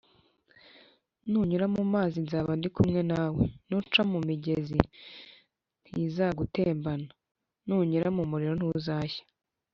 nunyura mu mazi nzaba ndi kumwe nawe, nuca mu migezi ntizagutembana nunyura mu muriro ntuzashya